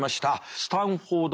スタンフォード